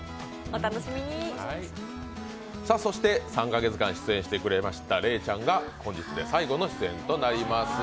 ３カ月間出演してくれましたレイちゃんが本日で最後の出演となります。